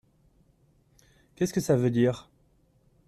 Qu’est-ce que ça veut dire ?